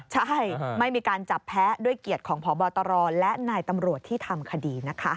ใช่ไม่มีการจับแพ้ด้วยเกียรติของพบตรและนายตำรวจที่ทำคดีนะคะ